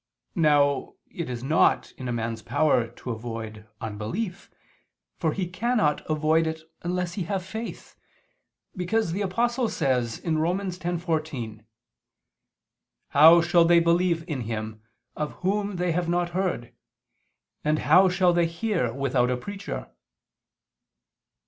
Now it is not in a man's power to avoid unbelief, for he cannot avoid it unless he have faith, because the Apostle says (Rom. 10:14): "How shall they believe in Him, of Whom they have not heard? And how shall they hear without a preacher?"